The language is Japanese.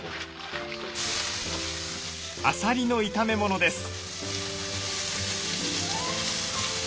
アサリの炒め物です。